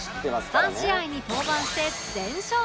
３試合に登板して全勝